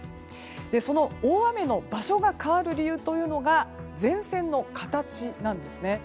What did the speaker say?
その大雨の場所が変わる理由が前線の形なんですね。